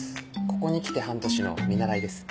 ここに来て半年の見習いです。